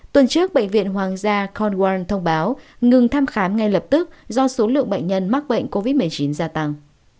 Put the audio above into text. tuần trước bệnh viện hoàng gia con wal thông báo ngừng thăm khám ngay lập tức do số lượng bệnh nhân mắc bệnh covid một mươi chín gia tăng